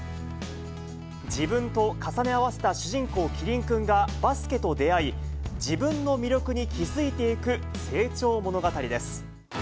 自分と重ね合わせた主人公、キリンくんがバスケと出会い、自分の魅力に気付いていく成長物語です。